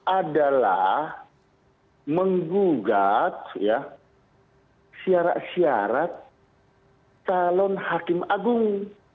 adalah menggugat ya siarat siarat talon hakim agung